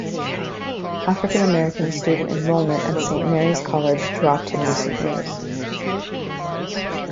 African-American student enrollment at Saint Mary's College dropped in recent years.